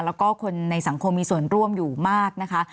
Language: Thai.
แล้วก็คนในสังคมมีส่วนร่วมอยู่มากนะคะ